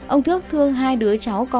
ông thước thương hai đứa cháu còn thơ